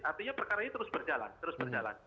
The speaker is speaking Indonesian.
artinya perkara ini terus berjalan terus berjalan